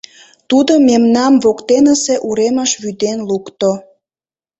Тудо мемнам воктенсе уремыш вӱден лукто.